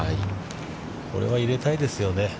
これは入れたいですね。